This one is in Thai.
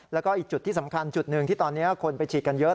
แล้วก็อีกจุดที่สำคัญจุดหนึ่งที่ตอนนี้คนไปฉีดกันเยอะ